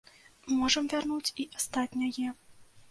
Можам вярнуць і астатняе.